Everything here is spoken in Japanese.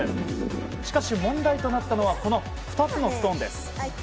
しかし問題となったのはこの２つのストーンです。